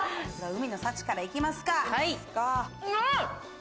海の幸からいきますか。